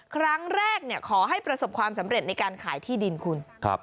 ขอให้ประสบความสำเร็จในการขายที่ดินคุณ